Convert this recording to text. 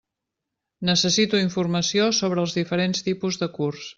Necessito informació sobre els diferents tipus de curs.